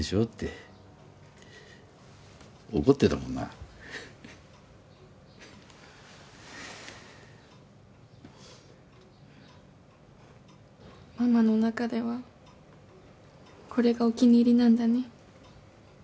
って怒ってたもんなママの中ではこれがお気に入りなんだね